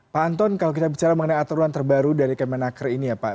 pak anton kalau kita bicara mengenai aturan terbaru dari kemenaker ini ya pak